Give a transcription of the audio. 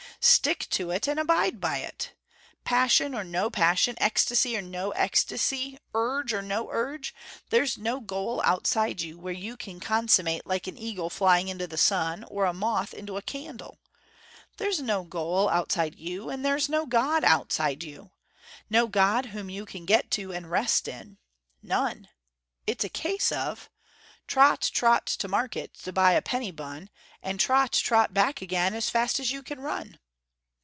Stick to it and abide by it. Passion or no passion, ecstasy or no ecstasy, urge or no urge, there's no goal outside you, where you can consummate like an eagle flying into the sun, or a moth into a candle. There's no goal outside you and there's no God outside you. No God, whom you can get to and rest in. None. It's a case of: 'Trot, trot to market, to buy a penny bun, And trot, trot back again, as fast as you can run.'